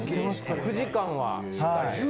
９時間は。